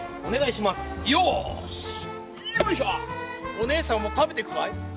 おねえさんも食べていくかい？